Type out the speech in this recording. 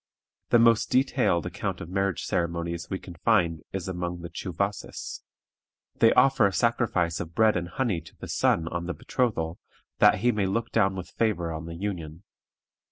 The most detailed account of marriage ceremonies we can find is among the Tschuwasses. They offer a sacrifice of bread and honey to the sun on the betrothal, that he may look down with favor on the union.